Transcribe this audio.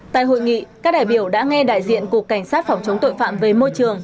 tại hội nghị các đại biểu đã nghe đại diện cục cảnh sát phòng chống tội phạm về môi trường